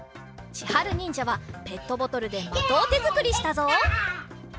ちはるにんじゃはペットボトルでまとあてづくりしたぞ。